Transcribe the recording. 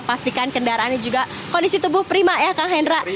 pastikan kendaraannya juga kondisi tubuh prima ya kak hendra